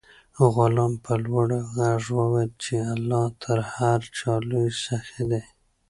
غلام په لوړ غږ وویل چې الله تر هر چا لوی سخي دی.